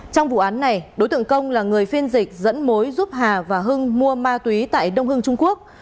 trong vụ án này đối tượng công là người phiên dịch dẫn mối giúp hà và hưng mua ma túy tại đông hưng trung quốc